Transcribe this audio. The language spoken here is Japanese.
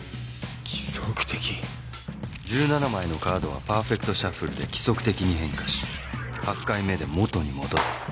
１７枚のカードはパーフェクトシャッフルで規則的に変化し８回目で元に戻る。